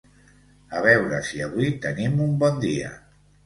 A veure si avui tenim un bon dia.